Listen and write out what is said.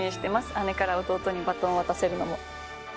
姉から弟にバトンを渡せるのも。